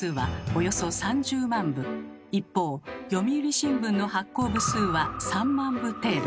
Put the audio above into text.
一方読売新聞の発行部数は３万部程度。